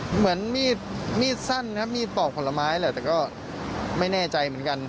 เหมือนมีดสั้นครับมีดปอกผลไม้แหละแต่ก็ไม่แน่ใจเหมือนกัน